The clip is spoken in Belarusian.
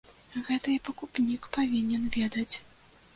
Гэта і пакупнік павінен ведаць.